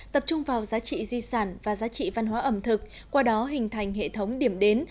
tập trung vào giá trị di sản và giá trị văn hóa ẩm thực qua đó hình thành hệ thống điểm đến